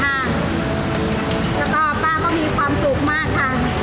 แล้วก็ป้าก็มีความสุขมากค่ะ